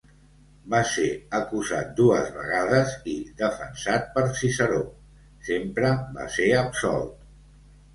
Va ser acusat dues vegades i, defensat per Ciceró, sempre va ser absolt.